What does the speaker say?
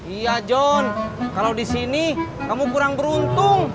iya john kalau disini kamu kurang beruntung